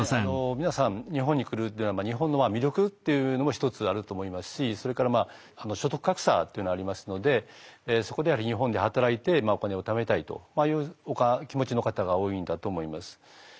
皆さん日本に来るというのは日本の魅力っていうのも一つあると思いますしそれから所得格差っていうのがありますのでそこでは日本で働いてお金をためたいという気持ちの方が多いんだと思います。